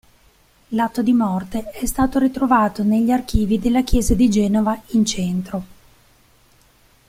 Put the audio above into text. L'atto di morte è stato ritrovato negli archivi della chiesa di Genova in centro.